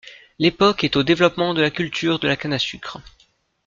L'époque est au développement de la culture de la canne à sucre.